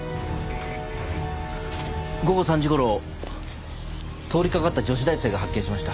午後３時頃通りかかった女子大生が発見しました。